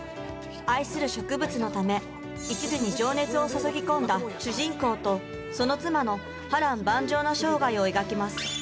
愛する植物のためいちずに情熱を注ぎ込んだ主人公とその妻の波乱万丈な生涯を描きます。